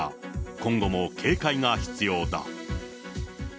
今後も警戒が必要だ。